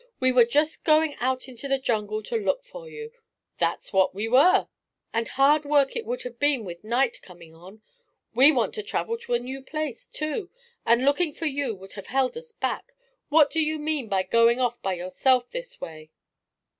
We were just going out into the jungle to look for you." "That's what we were," said Tusker. "And hard work it would have been with night coming on. We want to travel to a new place, too, and looking for you would have held us back. What do you mean by going off by yourself this way?"